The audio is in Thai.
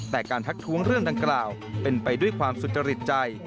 แต่การทักท้วงเรื่องดังกล่าวเป็นไปด้วยความสุจริตใจ